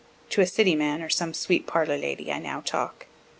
(To city man, or some sweet parlor lady, I now talk.)